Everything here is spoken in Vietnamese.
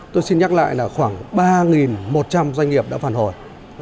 tôi xin nhắc lại là khoảng ba một trăm linh doanh nghiệp đã phản hồi